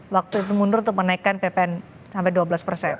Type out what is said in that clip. waktu itu mundur untuk menaikkan ppn sampai dua belas persen